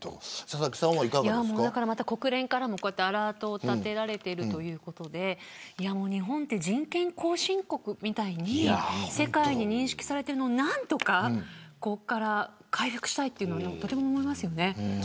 国連からもアラートを立てられているということで日本って人権後進国みたいに世界に認識されてるのを何とかここから回復したいというのをとても思います。